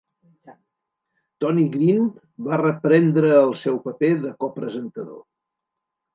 Tony Green va reprendre el seu paper de copresentador.